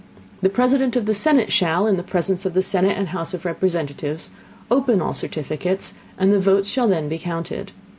The President of the Senate shall, in the Presence of the Senate and House of Representatives, open all the Certificates, and the Votes shall then be counted.